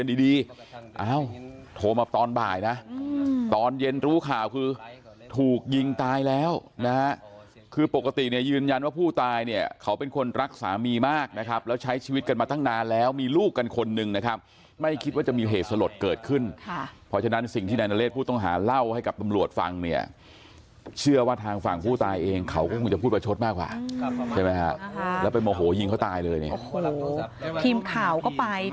ทีมข่าวคือถูกยิงตายแล้วนะฮะคือปกติเนี่ยยืนยันว่าผู้ตายเนี่ยเขาเป็นคนรักสามีมากนะครับแล้วใช้ชีวิตกันมาตั้งนานแล้วมีลูกกันคนนึงนะครับไม่คิดว่าจะมีเหตุสลดเกิดขึ้นค่ะเพราะฉะนั้นสิ่งที่นายนเรศพูดต้องหาเล่าให้กับตำรวจฟังเนี่ยเชื่อว่าทางฝั่งผู้ตายเองเขาก็คงจะพูดประชดมาก